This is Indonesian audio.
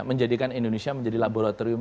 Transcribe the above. menjadikan indonesia menjadi laboratorium